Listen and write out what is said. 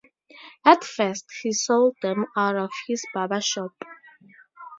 At first, he sold them out of his barber shop.